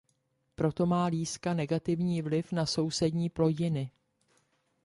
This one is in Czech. Proto má líska negativní vliv na sousední plodiny.